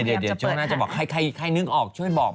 เนี่ยเดี๋ยวช่องหน้าเนี่ยคนบอกหนูกระล่างแบบจะเปิดค่ะ